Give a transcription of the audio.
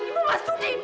ibu nggak sudi